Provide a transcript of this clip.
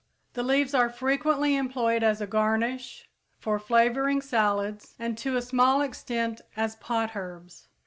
_ The leaves are frequently employed as a garnish, for flavoring salads, and to a small extent as potherbs.